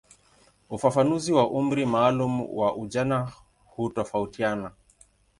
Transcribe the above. Ufafanuzi wa umri maalumu wa ujana hutofautiana.